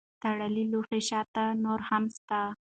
تړلی لوښی شات نور هم ساتي.